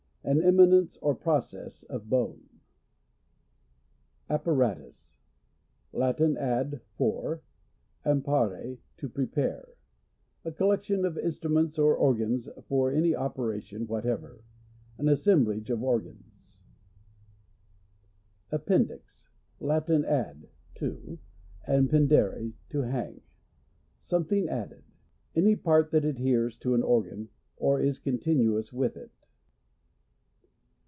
An emi nence or process of bone. Apparatus. — Latin, ad, for, and par are to prepare; a collction of in ! Auriculo ventricular. — Relating or Btrumen's or organs for any opera tion whatever. An assemblage of organs. Appendix. — Lalin, ad, to, and pendere to hang ; something added. Any part that adheres to an organ, or is continuous with it.